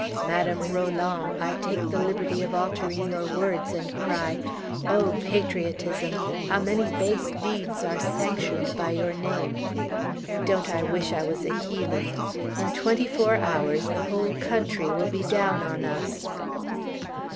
Madame Roland, I take the liberty of altering your words and cry, "O Patriotism! How many base deeds are sanctioned by your name!" Don't I wish I was a heathen! In twenty four hours the whole country will be down on us.